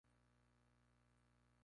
Luego su familia se trasladó a Montreal.